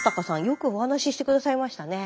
よくお話しして下さいましたね。